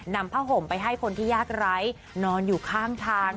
นำผ้าห่มไปให้คนที่ยากไร้นอนอยู่ข้างทาง